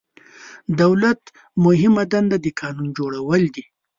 دولت مهمه دنده د قانون جوړول دي.